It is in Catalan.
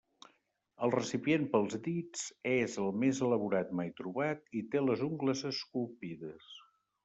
El recipient pels dits és el més elaborat mai trobat i té les ungles esculpides.